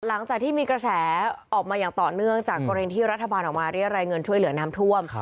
หลังจากที่มีกระแสออกมาอย่างต่อเนื่องจากกรณีที่รัฐบาลออกมาเรียกรายเงินช่วยเหลือน้ำท่วม